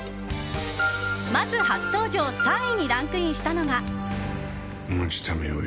まず、初登場３位にランクインしたのが。